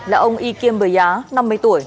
là ông y kim bờ giá năm mươi tuổi